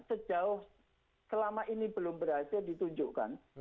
sejauh selama ini belum berhasil ditunjukkan